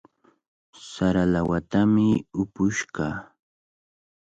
Sara lawatami upush kaa.